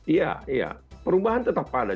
iya iya perubahan tetap ada